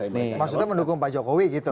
maksudnya mendukung pak jokowi gitu